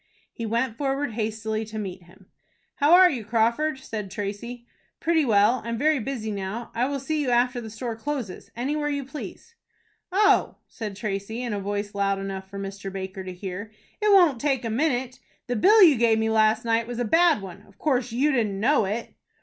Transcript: He went forward hastily to meet him. "How are you, Crawford?" said Tracy. "Pretty well. I am very busy now. I will see you, after the store closes, anywhere you please." "Oh," said Tracy, in a voice loud enough for Mr. Baker to hear, "it won't take a minute. The bill you gave me last night was a bad one. Of course you didn't know it."